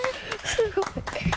すごい。